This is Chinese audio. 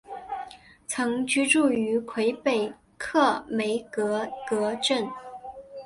曾居住于魁北克梅戈格镇。